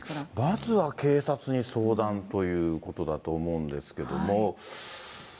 まずは警察に相談ということだと思うんですけども。